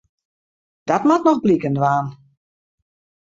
Dat moat noch bliken dwaan.